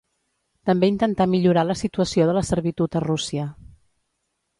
També intentà millorar la situació de la servitud a Rússia.